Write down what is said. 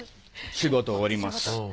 仕事終わります